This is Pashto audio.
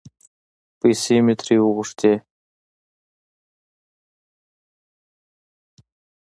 پیسې مې ترې وغوښتې؛ وېلم یو سوری به وتړي.